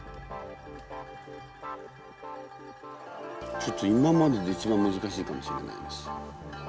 ちょっと今までで一番難しいかもしれないです。